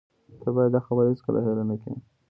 ته باید دا خبره هیڅکله هیره نه کړې